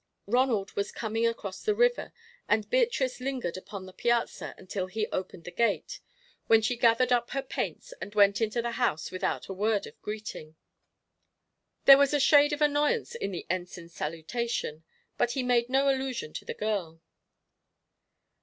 Ronald was coming across the river, and Beatrice lingered upon the piazza until he opened the gate, when she gathered up her paints and went into the house without a word of greeting. There was a shade of annoyance in the Ensign's salutation, but he made no allusion to the girl.